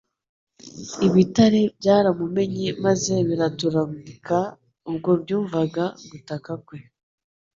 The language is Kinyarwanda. Ibitare byaramumenye maze biraturagtuika ubwo byumvaga gutaka kwe.